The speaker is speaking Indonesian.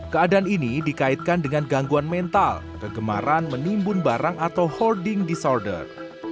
keadaan ini dikaitkan dengan gangguan mental kegemaran menimbun barang atau hoarding disorder